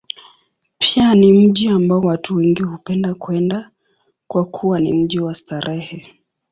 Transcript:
Pia ni mji ambao watu wengi hupenda kwenda, kwa kuwa ni mji wa starehe.